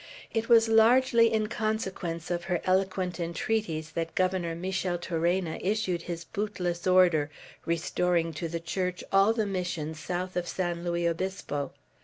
It was largely in consequence of her eloquent entreaties that Governor Micheltorena issued his bootless order, restoring to the Church all the Missions south of San Luis Obispo.